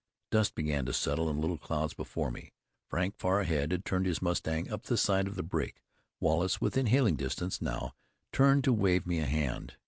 Dust began to settle in little clouds before me; Frank, far ahead, had turned his mustang up the side of the break; Wallace, within hailing distance, now turned to wave me a hand.